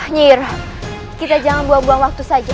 nyir kita jangan buang buang waktu saja